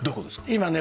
今ね